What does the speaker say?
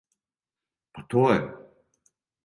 Па, то је.